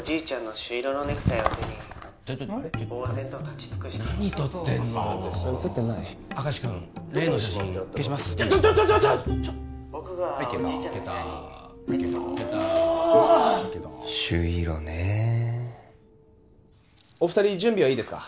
朱色ねえお二人準備はいいですか？